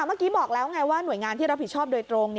เมื่อกี้บอกแล้วไงว่าหน่วยงานที่รับผิดชอบโดยตรง